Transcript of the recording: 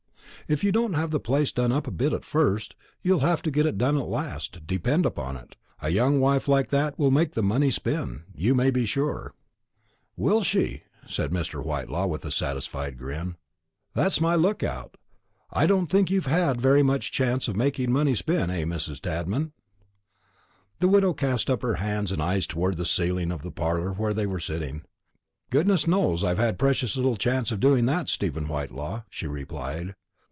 If you don't have the place done up a bit at first, you'll have to get it done at last, depend upon it; a young wife like that will make the money spin, you may be sure." "Will she?" said Mr. Whitelaw, with a satisfied grin. "That's my look out. I don't think you've had very much chance of making my money spin, eh, Mrs. Tadman?" The widow cast up her hands and eyes towards the ceiling of the parlour where they were sitting. "Goodness knows I've had precious little chance of doing that, Stephen Whitelaw," she replied.